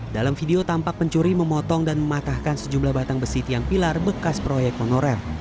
dalam video tampak pencuri memotong dan mematahkan sejumlah batang besi tiang pilar bekas proyek honorer